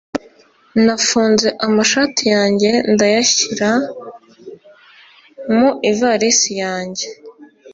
Nafunze amashati yanjye ndayashyira mu ivarisi yanjye.